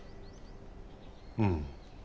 うん。